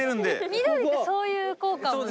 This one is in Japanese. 緑ってそういう効果もね